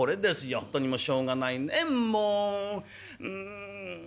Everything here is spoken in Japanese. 「本当にもうしょうがないねえもう。うん。